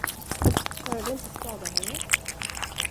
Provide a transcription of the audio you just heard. Bara det inte skadar henne?